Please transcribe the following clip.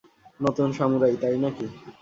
নতুন সামুরাই, তাই নাকি?